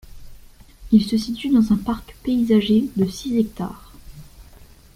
Il se situe dans un parc paysagé de six hectares.